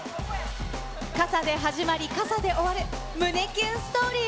傘で始まり、傘で終わる、胸キュンストーリー。